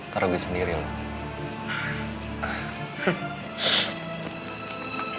taruh gue sendiri loh